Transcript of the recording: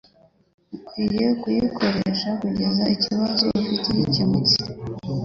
uwkiye kuyikoresha kugeza ikibazo ufite gikemutse.